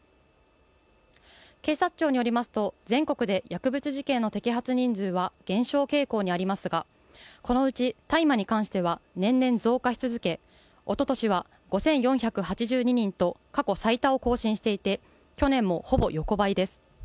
警察庁によりますと、全国で薬物事件の摘発人数は減少傾向にありますが、このうち大麻に関しては年々増加し続け、おととしは５４８２人と過去最多を更新していて、去年もほぼ横ばいです。